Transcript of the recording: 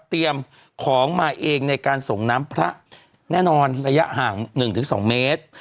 ของมาเองในการส่งน้ำพระแน่นอนระยะห่าง๑๒เมตร